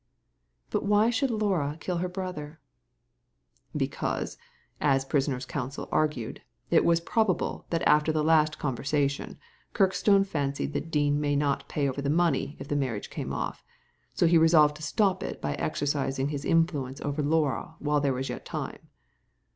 " But why should Laura kill her brother ?" ^'Because, as prisoner's counsel argued, it was probable that after the last conversation, Kirkstone fancied that Dean might not pay the money if the marriage came off, so he resolved to stop it by exercising his influence over Laura while there was yet time.